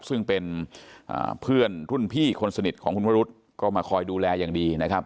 ซึ่งเป็นเพื่อนรุ่นพี่คนสนิทของคุณวรุษก็มาคอยดูแลอย่างดีนะครับ